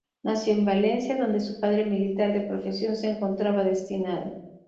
Nació en Valencia donde su padre militar de profesión se encontraba destinado.